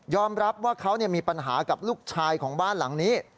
รับว่าเขามีปัญหากับลูกชายของบ้านหลังนี้